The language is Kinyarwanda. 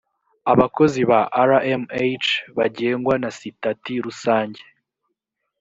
abakozi ba rmh bagengwa na sitati rusange